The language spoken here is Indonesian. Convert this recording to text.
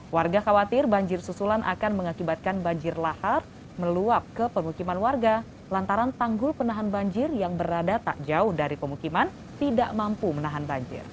warga khawatir banjir susulan akan mengakibatkan banjir lahar meluap ke pemukiman warga lantaran tanggul penahan banjir yang berada tak jauh dari pemukiman tidak mampu menahan banjir